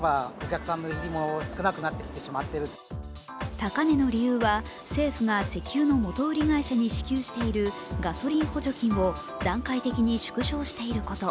高値の理由は政府が石油の元売り会社に支給しているガソリン補助金を段階的に縮小していること。